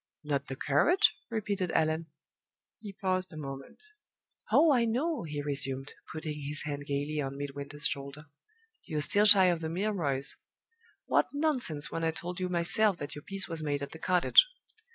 "Not the courage?" repeated Allan. He paused a moment. "Oh, I know!" he resumed, putting his hand gayly on Midwinter's shoulder. "You're still shy of the Milroys. What nonsense, when I told you myself that your peace was made at the cottage!"